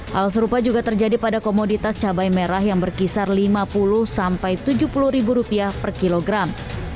hal serupa juga terjadi pada komoditas cabai merah yang berkisar lima puluh sampai rp tujuh puluh ribu rupiah per kilogram